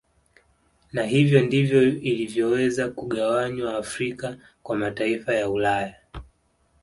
Na hivyo ndivyo ilivyoweza kugawanywa Afrika kwa mataifa ya Ulaya